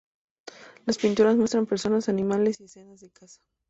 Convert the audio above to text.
Las pinturas muestran personas, animales y escenas de caza.